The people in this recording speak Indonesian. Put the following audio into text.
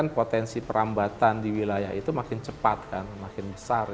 potensi perambatan di wilayah itu makin cepat kan makin besar